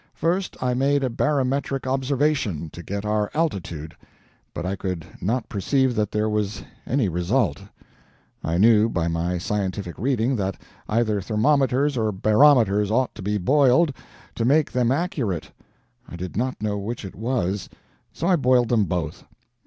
First, I made a barometric observation, to get our altitude, but I could not perceive that there was any result. I knew, by my scientific reading, that either thermometers or barometers ought to be boiled, to make them accurate; I did not know which it was, so I boiled them both.